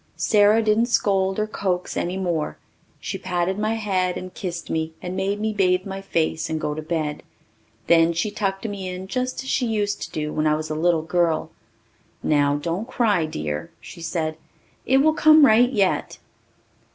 Sara didn't scold or coax any more. She patted my head and kissed me and made me bathe my face and go to bed. Then she tucked me in just as she used to do when I was a little girl. "Now, don't cry, dear," she said, "it will come right yet."